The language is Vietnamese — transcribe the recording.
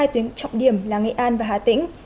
hai tuyến trọng điểm là nghệ an và hà tĩnh